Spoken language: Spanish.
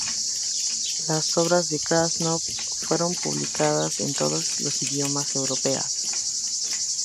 Las obras de Krasnov fueron publicadas en todas las idiomas europeas.